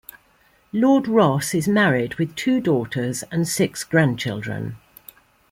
Lord Ross is married with two daughters and six grandchildren.